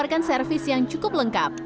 mereka harus memiliki kondisi yang cukup lengkap